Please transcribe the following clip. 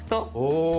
お！